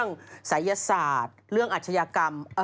นี่แต่ถ้าหากว่า